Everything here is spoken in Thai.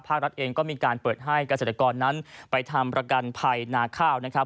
รัฐเองก็มีการเปิดให้เกษตรกรนั้นไปทำประกันภัยนาข้าวนะครับ